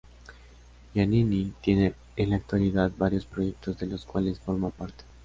Giannini tiene en la actualidad varios proyectos de los cuales forma parte.